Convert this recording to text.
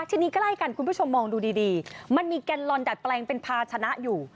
ทีนี้ใกล้กันคุณผู้ชมมองดูดีมันมีแกนลอนดัดแปลงเป็นภาชนะอยู่